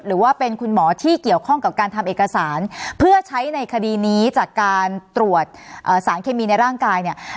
หรือว่าเป็นคุณหมอที่เกี่ยวข้องกับการทำเอกสารเพื่อใช้ในคดีนี้จากการตรวจสารเคมีในร่างกายเนี่ย